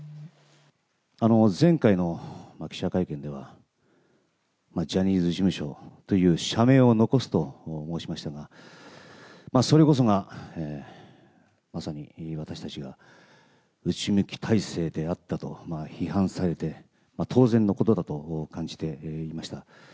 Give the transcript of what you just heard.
前回の記者会見では、ジャニーズ事務所という社名を残すと申しましたが、それこそが、まさに私たちが内向き体制であったと批判されて当然のことだと感じていました。